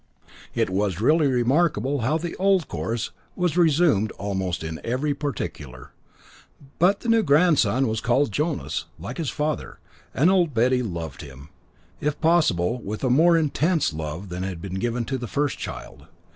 It was really remarkable how the old course was resumed almost in every particular. But the new grandson was called Jonas, like his father, and Old Betty loved him, if possible, with a more intense love than had been given to the first child.